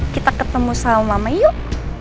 kita ketemu selama lama yuk